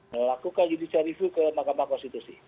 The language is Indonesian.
melakukan judicial review ke mahkamah konstitusi